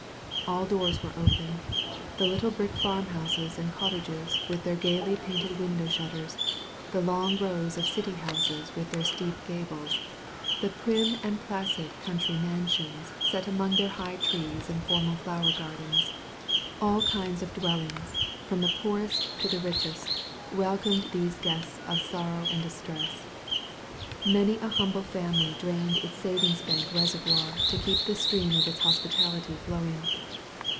All doors were open.. The little brick farm houses and cottages with their gayly painted win dow shutters; the long rows of city houses with their steep gables; the prim and placid country 23 THE VALLEY OF VISION mansions set among their high trees and formal flower gardens — ^all kinds of dwellings, from the poorest to the ridiest, welcomed these guests of sorrow and distress. Many a hmnble family drained its savings bank reservoir to ke^ the stream of its hospitality flowing.